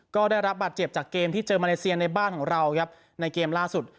ก็ได้รับบาดเจ็บจากเกมที่เจอมาเลเซียในบ้านของเราครับในเกมล่าสุด